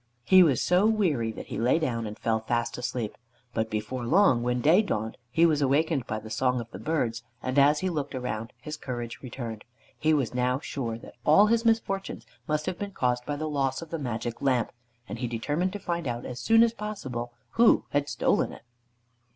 He was so weary that he lay down and fell fast asleep; but before long, when day dawned, he was awakened by the song of the birds, and as he looked around his courage returned. He was now sure that all his misfortunes must have been caused by the loss of the Magic Lamp, and he determined to find out as soon as possible who had stolen it.